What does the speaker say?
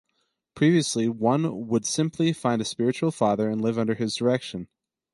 Previously, one would simply find a spiritual father and live under his direction.